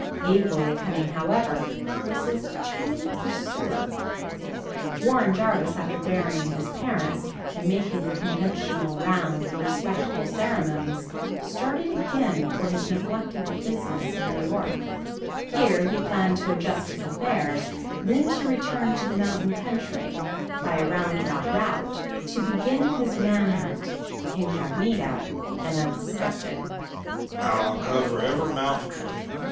Equally cunning, however, was his determined pursuer. Warren Jarvis, after burying his parents, and making the conventional round of respectful ceremonies, started again for his neglected business in New York. Here he planned to adjust his affairs, then to return to the mountain country, by a roundabout route, to begin his man hunt, incognito and unsuspected.